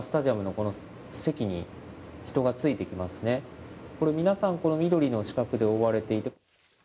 これ、皆さん、この緑の四角で覆われていて。